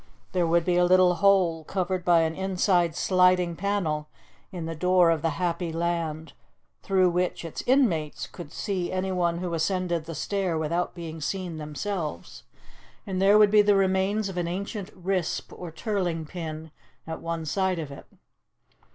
There would be a little hole, covered by an inside sliding panel, in the door of 'The Happy Land,' through which its inmates could see anyone who ascended the stair without being seen themselves, and there would be the remains of an ancient 'risp,' or tirling pin, at one side of it.